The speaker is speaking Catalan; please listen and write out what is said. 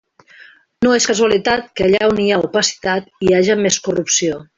No és casualitat que allà on hi ha opacitat hi haja més corrupció.